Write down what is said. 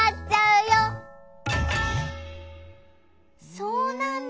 そうなんだ。